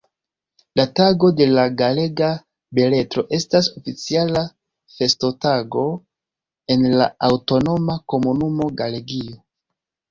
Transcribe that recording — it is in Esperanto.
La Tago de la Galega Beletro estas oficiala festotago en la aŭtonoma komunumo Galegio.